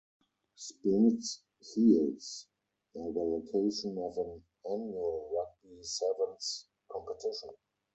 Sports fields are the location of an annual Rugby sevens competition.